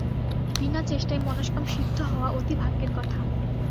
বিনা চেষ্টায় মনস্কাম সিদ্ধ হওয়া অতি ভাগ্যের কথা।